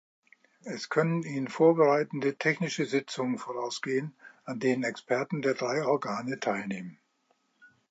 Es können ihnen vorbereitende technische Sitzungen vorausgehen, an denen Experten der drei Organe teilnehmen.